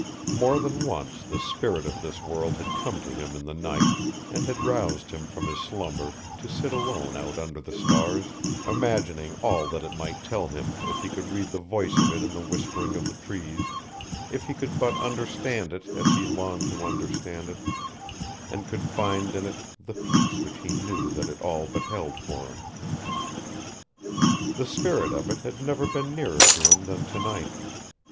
More than once the spirit of this world had come to him in the night and had roused him from his slumber to sit alone out under the stars, imagining all that it might tell him if he could read the voice of it in the whispering of the trees, if he could but understand it as he longed to understand it, and could find in it the peace which he knew that it all but held for him. The spirit of it had never been nearer to him than to night.